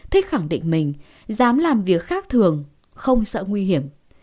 thích khẳng định mình dám làm việc khác thường không sợ nguy hiểm